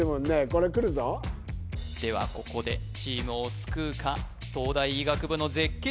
これくるぞではここでチームを救うか東大医学部の絶景